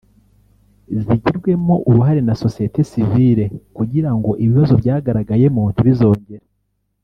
zigirwemo uruhare na Sosiyete Sivile kugira ngo ibibazo byagaragayemo ntibizongere